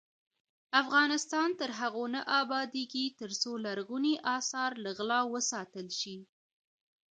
افغانستان تر هغو نه ابادیږي، ترڅو لرغوني اثار له غلا وساتل شي.